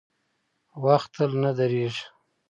• وخت تل نه درېږي.